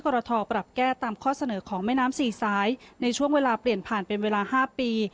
รทปรับแก้ตามข้อเสนอของแม่น้ำสี่สายในช่วงเวลาเปลี่ยนผ่านเป็นเวลา๕ปี